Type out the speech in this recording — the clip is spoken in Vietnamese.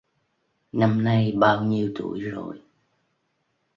Năm nay bao nhiêu tuổi rồi